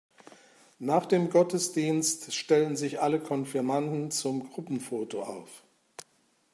Nach dem Gottesdienst stellen sich alle Konfirmanden zum Gruppenfoto auf.